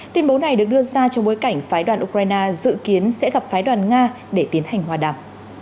tuyên bố này được đưa ra trong bối cảnh phái đoàn ukraine dự kiến sẽ gặp phái đoàn nga để tiến hành hòa đàm